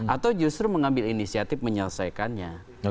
atau justru mengambil inisiatif menyelesaikannya